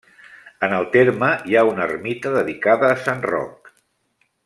En el terme hi ha una ermita dedicada a sant Roc.